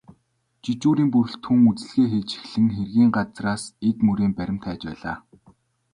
Жижүүрийн бүрэлдэхүүн үзлэгээ хийж эхлэн хэргийн газраас эд мөрийн баримт хайж байлаа.